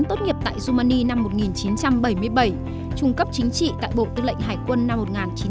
tốt nghiệp tại rumani năm một nghìn chín trăm bảy mươi bảy trung cấp chính trị tại bộ tư lệnh hải quân năm một nghìn chín trăm bảy mươi